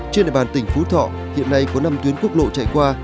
trên địa bàn tỉnh phú thọ hiện nay có năm tuyến quốc lộ chạy qua